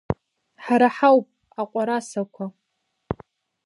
Ҳара ҳауп, аҟәарасақәа!